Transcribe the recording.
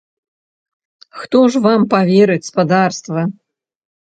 Хто ж вам паверыць, спадарства?